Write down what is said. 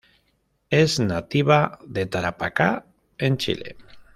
Es nativa de Tarapacá en Chile.